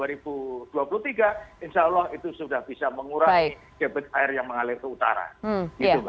insya allah itu sudah bisa mengurangi debit air yang mengalir ke utara